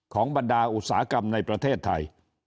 บรรดาอุตสาหกรรมในประเทศไทย